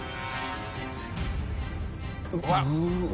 うわっ！